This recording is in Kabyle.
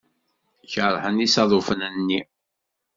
Keṛhen isaḍufen-nni.